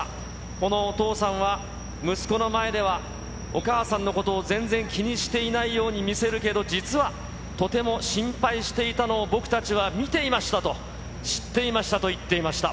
このお父さんは、息子の前ではお母さんのことを全然気にしていないように見せるけど、実はとても心配していたのを僕たちは見ていましたと、知っていましたと言っていました。